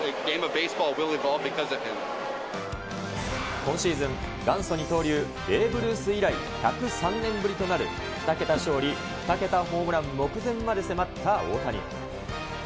今シーズン、元祖二刀流、ベーブ・ルース以来、１０３年ぶりとなる２桁勝利、２桁ホームラン目前まで迫った大谷。